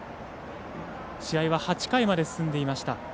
試合は８回まで進んでいました。